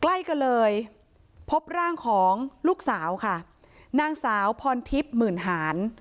ใกล้กันเลยพบร่างของลูกสาวค่ะนางสาวพรทิพย์หมื่นหาน